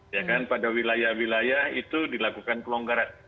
ya kan pada wilayah wilayah itu dilakukan pelonggaran